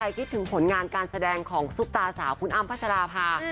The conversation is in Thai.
คิดถึงผลงานการแสดงของซุปตาสาวคุณอ้ำพัชราภา